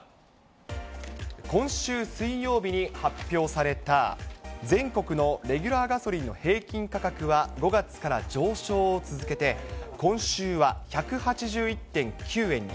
今週水曜日に発表された、全国のレギュラーガソリンの平均価格は５月から上昇を続けて、今週は１８１．９円に。